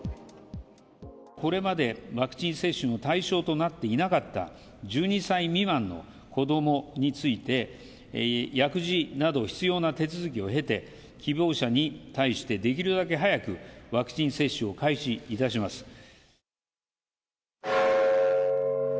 これまで、ワクチン接種の対象となっていなかった１２歳未満の子どもについて、薬事など、必要な手続きを経て、希望者に対して、できるだけ早くワクチン接種を開始いたします。